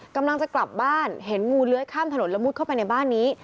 กำลังจะกลับบ้านเห็นงูเลื้อยข้ามถนนแล้วมุดเข้าไปในบ้านนี้